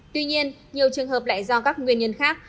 tuy nhiên nhiều trường hợp lại do các nguyên nhân khác